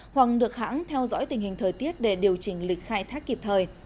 hoặc được hãng theo dõi tình hình thời tiết để điều chỉnh lịch khai thác kịp thời